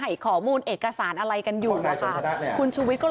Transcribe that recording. อันนี้เป็นวันที่สอนฮอลทร